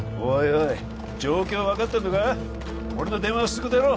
おい状況分かってんのか俺の電話はすぐ出ろ！